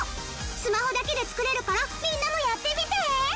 スマホだけで作れるからみんなもやってみて！